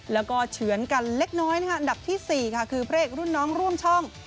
แล้วก็เฉือนกันเล็กน้อยนะคะอันดับที่๔ค่ะคือพระเอกรุ่นน้องร่วมช่อง